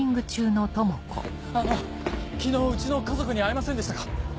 あの昨日うちの家族に会いませんでしたか？